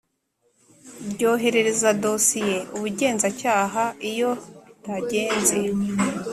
ryoherereza dosiye ubugenzacyaha Iyo bitagenze